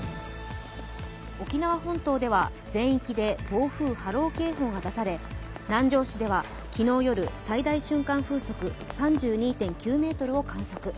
沖縄本島では全域で暴風・波浪警報が出され南城市では昨日夜、最大瞬間風速３２．９メートルを観測。